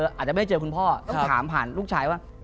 อาจจะไม่ได้เจอคุณพ่อต้องถามผ่านลูกชายว่า